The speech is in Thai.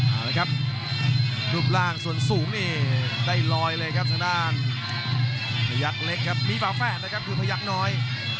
หนูบร่างส่วนสูงนี่ได้รอยเลยครับส่างด้านพยักเล็กครับมีฝาแฟนนะครับคุณพยักน้อย